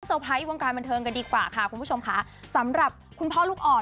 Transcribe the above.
ไพรส์วงการบันเทิงกันดีกว่าค่ะคุณผู้ชมค่ะสำหรับคุณพ่อลูกอ่อน